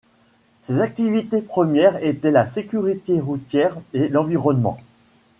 Ses activités premières étaient la sécurité routière et l'environnement.